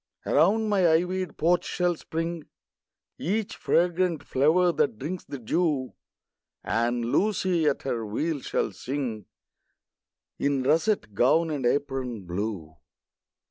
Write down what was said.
Around my ivy'd porch shall spring Each fragrant flower that drinks the dew; And Lucy, at her wheel, shall sing In russet gown and apron blue.